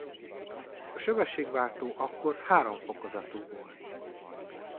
A sebességváltó akkor háromfokozatú volt.